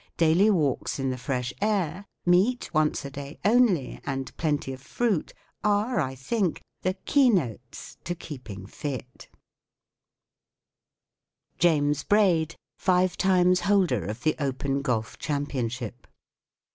Daily walks in the fresh air* meat once a day only, and plenty of fruit are, I think, the ,f keynotes 1 * to keeping fit, JAMES BRAID Five timei holder of the Open Golf . Championship.